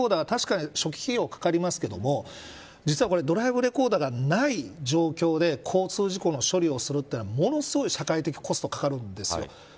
ドライブレコーダーは確かに初期費用がかかりますけど実はドライブレコーダーがない状況で交通事故の処理をするのはものすごい社会的コストがかかるんです。